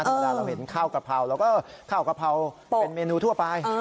ธรรมดาเราเห็นข้าวกะเพราเราก็ข้าวกะเพราเป็นเมนูทั่วไป